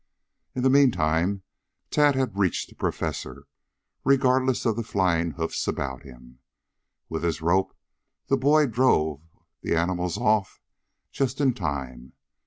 In the meantime Tad had reached the Professor, regardless of the flying hoofs about him. With his rope the boy drove the animals off just in time.